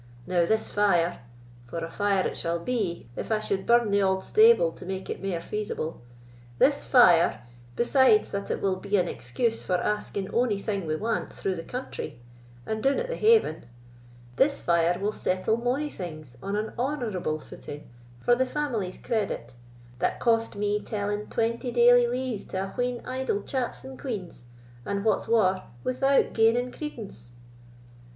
Now this fire—for a fire it sall be, if I suld burn the auld stable to make it mair feasible—this fire, besides that it will be an excuse for asking ony thing we want through the country, or doun at the haven—this fire will settle mony things on an honourable footing for the family's credit, that cost me telling twenty daily lees to a wheen idle chaps and queans, and, what's waur, without gaining credence."